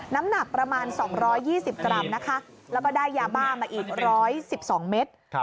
น้ำหนักประมาณ๒๒๐กรัมนะคะแล้วก็ได้ยาบ้ามาอีก๑๑๒เมตร